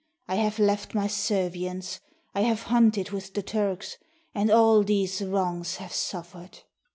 I have left my Servians, — I have hunted With the Turks, — and all these wrongs have suffer'd."